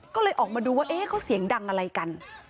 ก็เลยออกมาดูว่าเอ๊ะเขาเสียงดังอะไรกัน